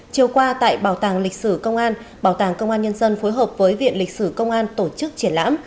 chiều qua tại bảo tàng lịch sử công an bảo tàng công an nhân dân phối hợp với viện lịch sử công an tổ chức triển lãm